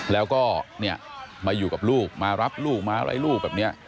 แล้วก็เนี่ยมาอยู่กับลูกมารับลูกมาไล่ลูกแบบเนี่ย